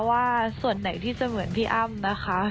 ว่าส่วนไหนที่จะเหมือนพี่อ้ำนะคะ